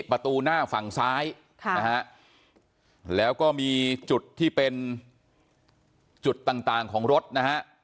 ประตูหน้าฝั่งซ้ายนะฮะแล้วก็มีจุดที่เป็นจุดต่างต่างของรถนะฮะ